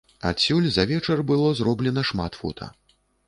Адсюль за вечар было зроблена шмат фота.